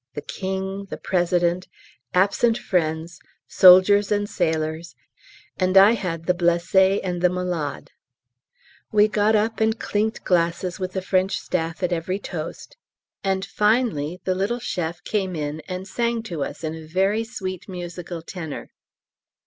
The King, the President, Absent Friends, Soldiers and Sailors, and I had the Blessés and the Malades. We got up and clinked glasses with the French Staff at every toast, and finally the little chef came in and sang to us in a very sweet musical tenor.